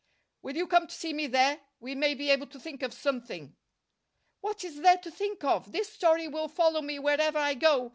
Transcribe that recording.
"Will you come to see me there? We may be able to think of something." "What is there to think of? This story will follow me wherever I go!